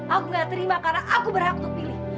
aku gak terima karena aku berhak untuk pilih